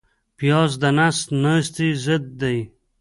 پیاز د نس ناستي ضد دی